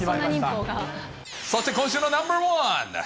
そして今週のナンバー１。